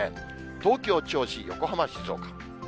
東京、銚子、横浜、静岡。